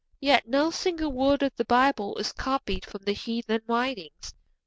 Yet no single word of the Bible is copied from the heathen writings.